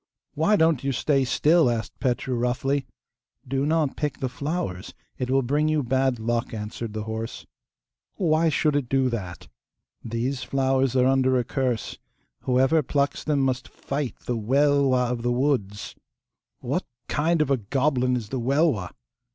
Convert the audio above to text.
'Why don't you stay still?' asked Petru roughly. 'Do not pick the flowers; it will bring you bad luck; answered the horse. 'Why should it do that?' 'These flowers are under a curse. Whoever plucks them must fight the Welwa(1) of the woods.' (1) A goblin. 'What kind of a goblin is the Welwa?